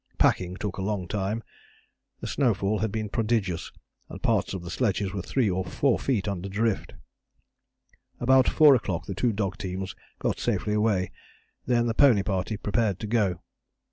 Packing took a long time. The snowfall had been prodigious, and parts of the sledges were 3 or 4 feet under drift. About 4 o'clock the two dog teams got safely away. Then the pony party prepared to go.